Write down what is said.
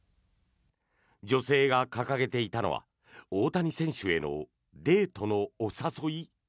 女性が掲げていたのは大谷選手へのデートのお誘い。